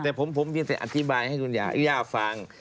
แต่ผมเพียงแต่อธิบายให้คุณย่าฟัง